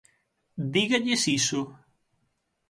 Dígalles iso.